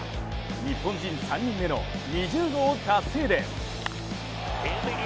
日本人３人目の２０号達成です。